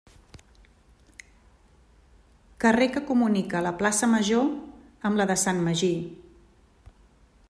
Carrer que comunica la plaça Major amb la de Sant Magí.